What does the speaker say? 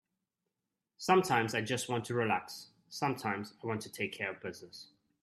Sometimes I just want to relax, sometimes I want to take care of business.